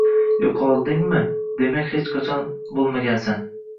Yo’qoldingmi demak hech qachon bor bo’lmagansan.